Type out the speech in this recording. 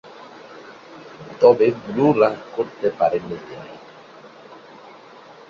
তবে ব্লু লাভ করতে পারেননি তিনি।